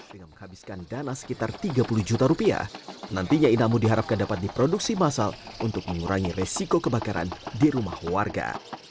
dengan menghabiskan dana sekitar tiga puluh juta rupiah nantinya inamu diharapkan dapat diproduksi masal untuk mengurangi resiko kebakaran di rumah warga